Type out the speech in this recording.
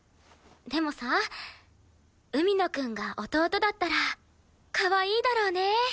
でもさ海野くんが弟だったらかわいいだろうね。